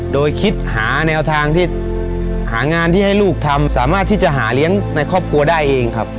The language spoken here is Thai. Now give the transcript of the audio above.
โดยคิดหาแนวทางที่หางานที่ให้ลูกทำสามารถที่จะหาเลี้ยงในครอบครัวได้เองครับ